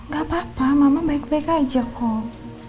gak apa apa mama baik baik aja kok